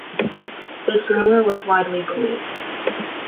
This rumor was widely believed.